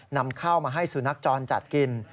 นำข้าวมาให้สุนัขจรจัดกิน